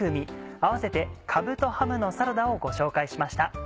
併せて「かぶとハムのサラダ」をご紹介しました。